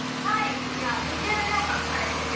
じゃあ２０秒間のチャレンジですよ。